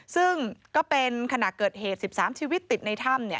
ซึ่งก็เป็นขณะเกิดเหตุ๑๓ชีวิตติดในถ้ำ